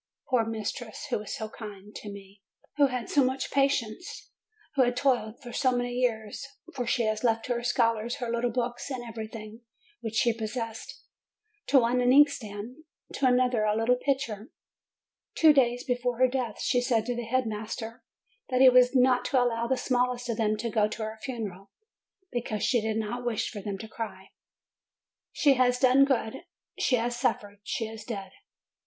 Poor mistress, who was so kind THANKS 329 to me, who had so much patience, who had toiled for so many years f She has left to her scholars her little books and everything which she possessed, to one an inkstand, to another a little picture. Two days before her death, she said to the headmaster that he was not to allow the smallest of them to go to her funeral, be cause she did not wish them to cry. She has done good, she has suffered, she is dead!